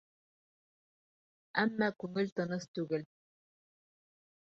Әммә күңел тыныс түгел.